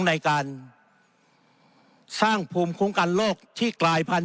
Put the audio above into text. ในการสร้างภูมิคุ้มกันโรคที่กลายพันธุ